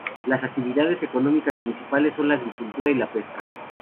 Las actividades económicas principales son la agricultura y la pesca.